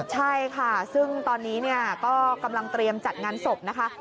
ใช่ค่ะซึ่งตอนนี้ก็กำลังเตรียมจัดงานศพนะคะ